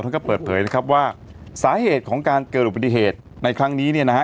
ก็เปิดเผยนะครับว่าสาเหตุของการเกิดอุบัติเหตุในครั้งนี้เนี่ยนะฮะ